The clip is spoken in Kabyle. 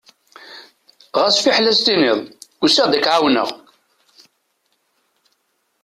Ɣas fiḥel ad s-tiniḍ usiɣ-d ad k-εawneɣ.